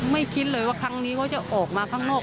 คิดเลยว่าครั้งนี้เขาจะออกมาข้างนอก